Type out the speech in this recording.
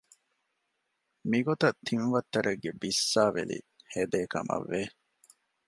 މިގޮތަށް ތިން ވައްތަރެއްގެ ބިއްސާވެލި ހެދޭކަމަށް ވެ